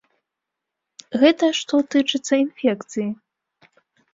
Гэта што тычыцца інфекцыі.